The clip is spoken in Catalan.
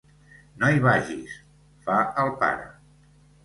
No hi vagis —fa el pare—.